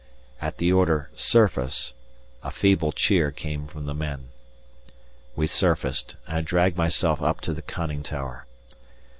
At the order "Surface," a feeble cheer came from the men. We surfaced, and I dragged myself up to the conning tower.